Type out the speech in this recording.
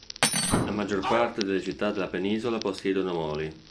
La maggior parte delle città della Penisola possiedono moli.